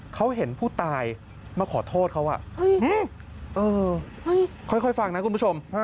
เขาเห็นผู้ตายมาขอโทษเขาค่อยฟังนะคุณผู้ชม